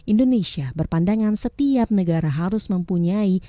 indonesia berpandangan setiap negara harus mempunyai